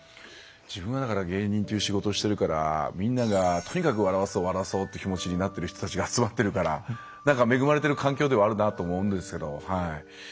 自分は芸人っていう仕事をしてるからみんなが、とにかく笑わそうって気持ちになってる人たちが集まってるからなんか、恵まれてる環境ではあるなと思うんですけど。